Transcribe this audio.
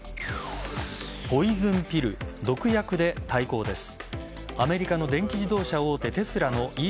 ポイズンピル、毒薬で対抗です。